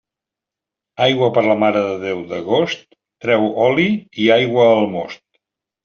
Aigua per la Mare de Déu d'agost, treu oli i aigua al most.